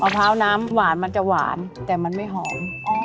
พร้าวน้ำหวานมันจะหวานแต่มันไม่หอม